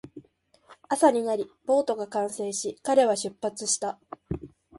朝になり、ボートが完成し、彼は出発した